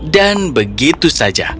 dan begitu saja